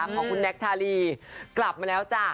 ของคุณแน็กชาลีกลับมาแล้วจ้ะ